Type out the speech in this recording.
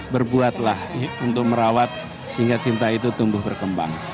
berbuatlah untuk merawat sehingga cinta itu tumbuh berkembang